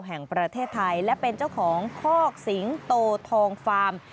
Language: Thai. แห่งประเทศไทยและเป็นเจ้าของคอกสิงโตทองฟาร์ม